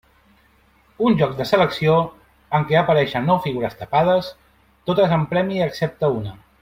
Un joc de selecció, en què apareixen nou figures tapades, totes amb premi excepte una.